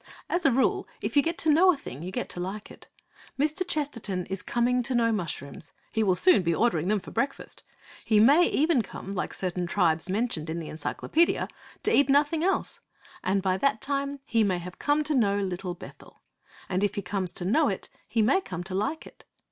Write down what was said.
As a rule, if you get to know a thing, you get to like it. Mr. Chesterton is coming to know mushrooms. He will soon be ordering them for breakfast. He may even come, like certain tribes mentioned in the Encyclopaedia, to eat nothing else! And by that time he may have come to know Little Bethel. And if he comes to know it, he may come to like it.